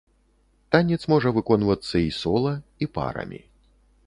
Танец можа выконвацца і сола, і парамі.